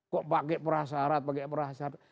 kok pakai perasarat pakai perasarat